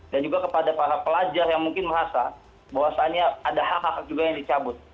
dan juga kepada para pelajar yang mungkin merasa bahwasanya ada hak hak juga yang dicabut